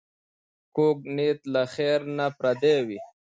کوږ نیت له خېر نه پردی وي